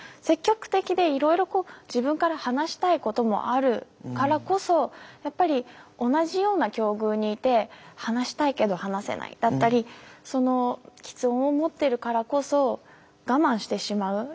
積極的でいろいろ自分から話したいこともあるからこそやっぱり同じような境遇にいて話したいけど話せないだったりその吃音を持っているからこそ我慢してしまう。